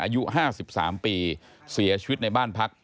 อายุ๕๓ปีเสียชีวิตในบ้านพัก